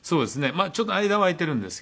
まあちょっと間は空いてるんですけど。